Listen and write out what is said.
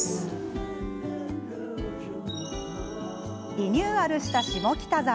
リニューアルした下北沢。